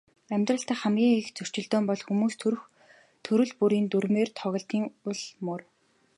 Амьдрал дахь хамгийн их зөрөлдөөн бол хүмүүс төрөл бүрийн дүрмээр тоглодгийн ул мөр.